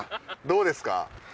どうですか？